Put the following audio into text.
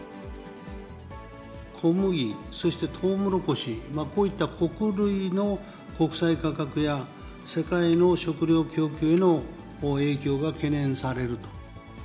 小麦、そしてトウモロコシ、こういった穀類の国際価格や、世界の食糧供給への影響が懸念されると。